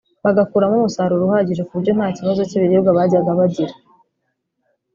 bagakuramo umusaruro uhagije ku buryo nta kibazo cy’ibiribwa bajyaga bagira